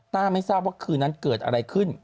ไม่ทราบว่าคืนนั้นเกิดอะไรขึ้น